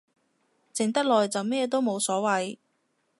靜得耐就咩都冇所謂